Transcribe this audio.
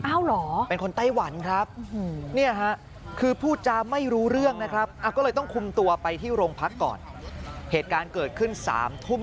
อ้าวเหรอเป็นคนไต้หวันครับ